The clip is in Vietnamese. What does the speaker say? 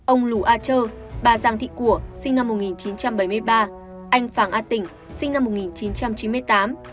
ông lù a chơ bà giàng thị của sinh năm một nghìn chín trăm bảy mươi ba anh phàng a tỉnh sinh năm một nghìn chín trăm chín mươi tám